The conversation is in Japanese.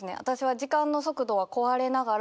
「時間の速度は壊れながら」。